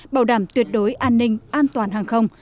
bảo đảm tuyệt đối an ninh an toàn hàng không